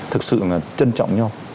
thực sự là trân trọng nhau